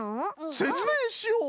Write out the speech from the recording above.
せつめいしよう！